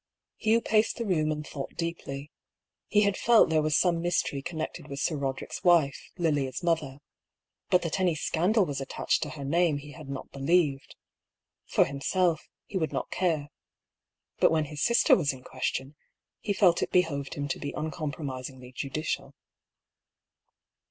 Hugh paced the room and thought deeply. He had felt there was some mystery connected with Sir Rod erick's wife, Lilia's mother. But that any scandal was A STARTLING PROPOSAL. 89 attached to her name he had not believed. For him self, he would not care. Bat when his sister was in question, he felt it behoved him to be uncompromisingly judicial.